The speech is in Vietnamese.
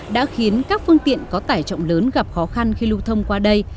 đã khiến các phương tiện có tải trọng lớn gặp khó khăn khi lưu thông qua đây